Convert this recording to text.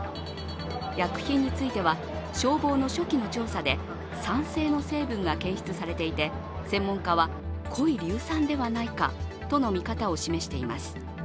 薬品については消防の初期の調査で酸性の成分が検出されていて専門家は濃い硫酸ではないかとの見方を示しています。